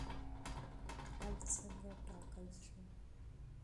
حل څنګه ټاکل شو؟